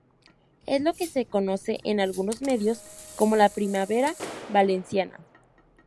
Es lo que se conoce en algunos medios como la primavera valenciana.